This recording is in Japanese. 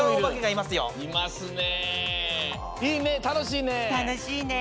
いいねたのしいね！